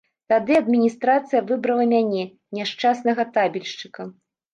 Тады адміністрацыя выбрала мяне, няшчаснага табельшчыка.